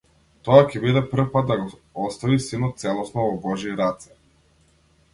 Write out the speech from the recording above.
Тоа ќе биде првпат да го остави синот целосно во божји раце.